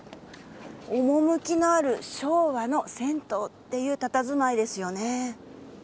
趣のある昭和の銭湯っていうたたずまいですよね。